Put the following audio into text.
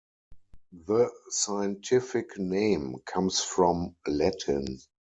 The scientific name comes from Latin.